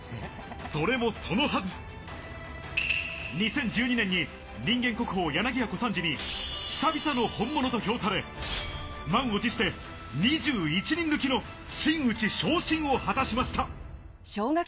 それもそのはず、２０１２年に人間国宝、柳家小三治に久々の本物と評され、満を持して２１人抜きの真打ち昇進を果たしました。